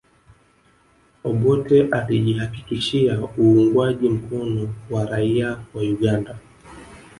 Obote alijihakikishia uungwaji mkono wa raia wa Uganda